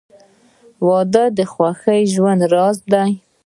• واده د خوښ ژوند راز دی.